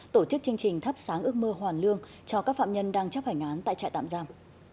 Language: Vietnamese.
tổ chức chương trình thắp sáng ước mơ hoàn lương cho các phạm nhân đang chấp hành án tại trại tạm giam